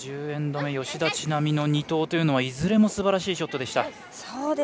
１０エンド目吉田知那美の２投というのはいずれもすばらしいショットでした。